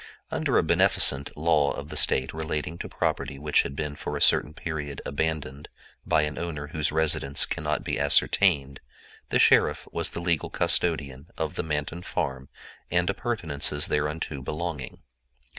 Under a beneficent law of the State relating to property which has been for a certain period abandoned by an owner whose residence cannot be ascertained, the sheriff was legal custodian of the Manton farm and appurtenances thereunto belonging.